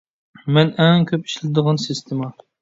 مەن ئەڭ كۆپ ئىشلىتىدىغان سىستېما.